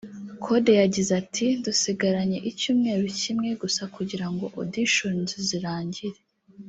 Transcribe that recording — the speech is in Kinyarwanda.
Kode yagize ati " Dusigaranye icyumweru kimwe gusa kugirango auditions zirangire